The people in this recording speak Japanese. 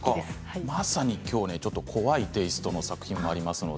まさに、きょうは怖いテイストの作品があります。